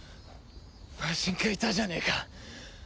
魔人がいたじゃねえか。